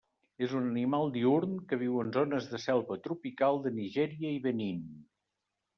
És un animal diürn que viu en zones de selva tropical de Nigèria i Benín.